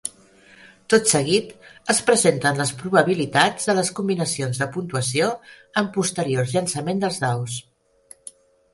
Tot seguit es presenten les probabilitats de les combinacions de puntuació en posteriors llançaments dels daus.